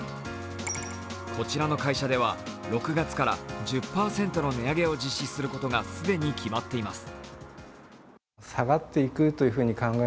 こちらの会社では６月から１０％の値上げを実施することが既に決まっています。